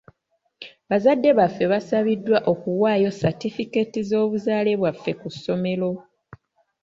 Bazadde baffe baasabiddwa okuwaayo satifikeeti z'obuzaale bwaffe ku ssomero.